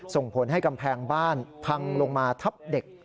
ส่งผลให้กำแพงบ้านพังลงมาทับเด็ก